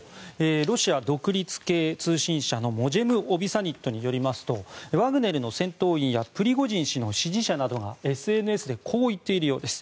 ロシア独立系通信社のモジェム・オビサニットによりますとワグネルの戦闘員やプリゴジン氏の支持者などがＳＮＳでこう言っているようです。